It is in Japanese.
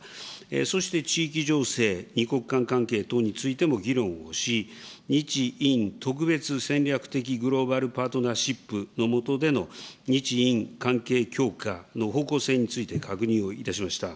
そして地域情勢、２国間関係等についても議論をし、日印特別戦略的グローバルパートナーシップの下での日印関係強化の方向性について確認いたしました。